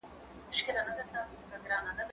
هغه څوک چې منډه وهي قوي کېږي!؟